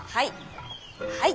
はい。